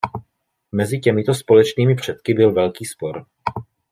Mezi těmito společnými předky byl velký spor.